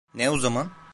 Ne o zaman?